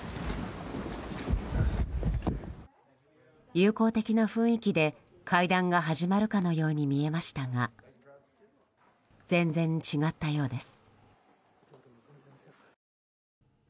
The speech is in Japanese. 友好的な雰囲気で会談が始まるかのように見えましたが全然違ったようです。